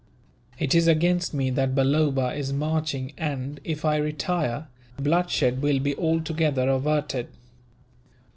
It is against me that Balloba is marching and, if I retire, bloodshed will be altogether averted.